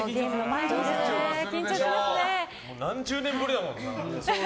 何十年ぶりだもんな。